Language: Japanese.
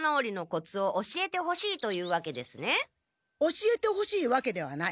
教えてほしいわけではない。